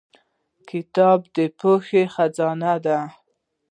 کتاب د پوهې خزانه ده